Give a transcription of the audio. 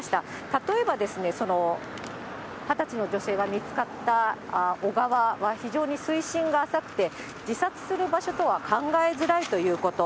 例えば、２０歳の女性が見つかった小川は非常に水深が浅くて、自殺する場所とは考えづらいということ。